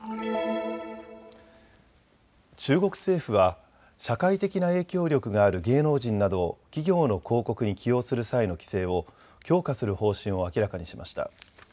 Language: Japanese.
中国政府は社会的な影響力がある芸能人などを企業の広告に起用する際の規制を強化する方針を明らかにしました。